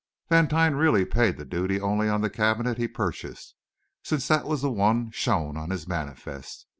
Vantine really paid the duty only on the cabinet he purchased, since that was the one shown on his manifest.